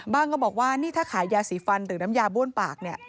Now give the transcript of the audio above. ก็บอกว่านี่ถ้าขายยาสีฟันหรือน้ำยาบ้วนปากเนี่ย